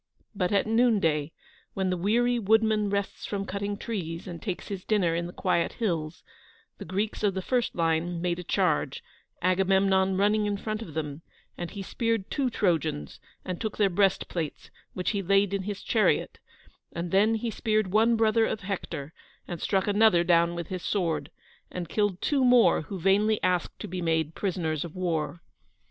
But at noon day, when the weary woodman rests from cutting trees, and takes his dinner in the quiet hills, the Greeks of the first line made a charge, Agamemnon running in front of them, and he speared two Trojans, and took their breastplates, which he laid in his chariot, and then he speared one brother of Hector and struck another down with his sword, and killed two more who vainly asked to be made prisoners of war.